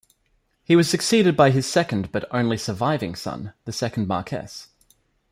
He was succeeded by his second but only surviving son, the second Marquess.